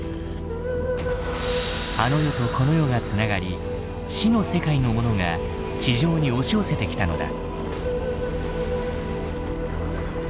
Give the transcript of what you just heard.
あの世とこの世が繋がり死の世界のものが地上に押し寄せてきたのだ。